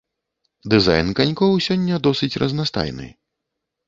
Дызайн канькоў сёння досыць разнастайны.